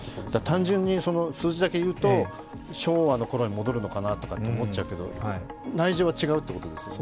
単純に数字だけいうと昭和のころに戻るのかなと思うけど内情は違うってことですよね。